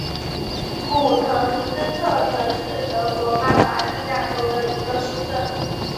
古滕斯特滕是德国巴伐利亚州的一个市镇。